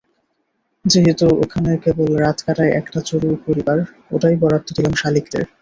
যেহেতু ওখানে কেবল রাত কাটায় একটা চড়ুই পরিবার, ওটাই বরাদ্দ দিলাম শালিকদের।